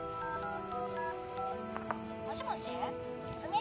もしもし泉？